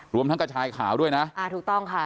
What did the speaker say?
รวมทั้งกระชายขาวด้วยนะอ่าถูกต้องค่ะ